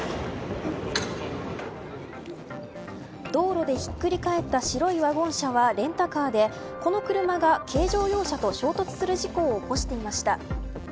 道路でひっくり返った白いワゴン車はレンタカーでこの車が軽乗用車と衝突する事故を起こしていました。